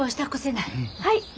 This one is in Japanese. はい。